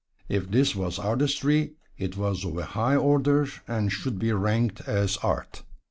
If this was artistry it was of a high order and should be ranked as art.